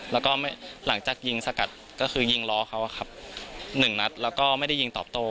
แล้วก็หลังจากยิงสกัดก็คือยิงล้อเขาหนึ่งนัดแล้วก็ไม่ได้ยิงตอบโต้